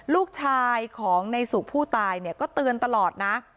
ลูกชายของในสุกผู้ตายเนี่ยก็เตือนตลอดนะ